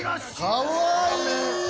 かわいい！